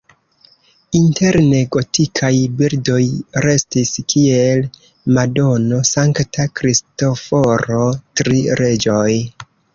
Interne gotikaj bildoj restis, kiel Madono, Sankta Kristoforo, Tri reĝoj.